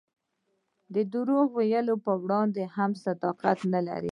د درواغ ویلو په وړاندې هم صداقت نه لري.